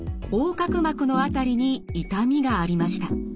隔膜の辺りに痛みがありました。